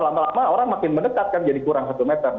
lama lama orang makin mendekatkan jadi kurang satu meter